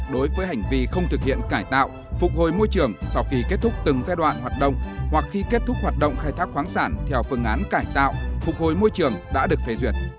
đối với hành vi không thực hiện cải tạo phục hồi môi trường sau khi kết thúc từng giai đoạn hoạt động hoặc khi kết thúc hoạt động khai thác khoáng sản theo phương án cải tạo phục hồi môi trường đã được phê duyệt